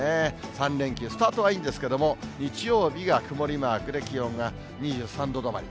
３連休、スタートはいいんですけれども、日曜日が曇りマークで気温が２３度止まり。